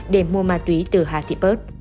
để mua ma túy từ hà thị pớt